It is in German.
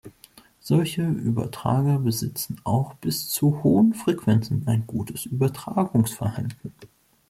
Solche Übertrager besitzen auch bis zu hohen Frequenzen ein gutes Übertragungsverhalten.